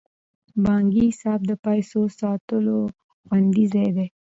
بانکي حساب د پیسو ساتلو خوندي ځای دی.